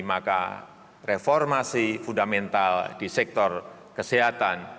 maka reformasi fundamental di sektor kesehatan